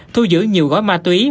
thu giữ nhiều gói ma túy